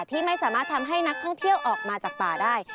ที่ไม่สามารถทำให้นักท่องเที่ยวออกมาจากป่าได้